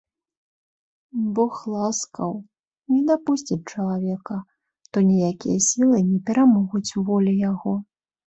Бог ласкаў, не дапусціць чалавека, то ніякія сілы не перамогуць волі яго.